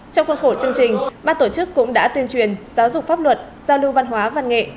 trong khuôn khổ chương trình ban tổ chức cũng đã tuyên truyền giáo dục pháp luật giao lưu văn hóa văn nghệ